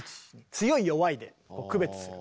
強い弱いで区別する。